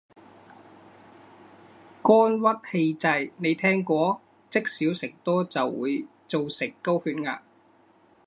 肝鬱氣滯，你聽過？積少成多就會做成高血壓